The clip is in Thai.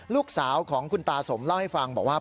ลูกสาวของคุณตาสมเล่าให้ฟังบอกว่า